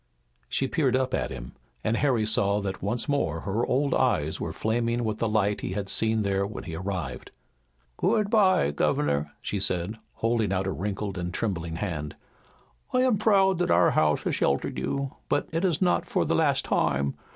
She peered up at him, and Harry saw that once more her old eyes were flaming with the light he had seen there when he arrived. "Good bye, governor," she said, holding out a wrinkled and trembling hand. "I am proud that our house has sheltered you, but it is not for the last time.